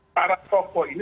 para tokoh ini